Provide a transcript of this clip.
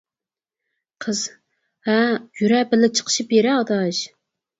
قىز:ھە، يۈرە بىللە چىقىشىپ بېرە ئاداش.